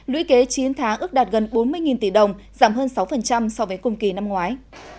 lũy kế chín tháng ước đạt gần bốn mươi tỷ đồng giảm hơn sáu so với cùng kỳ năm ngoái